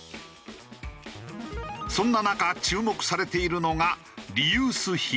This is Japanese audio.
そんな中注目されているのがリユース品。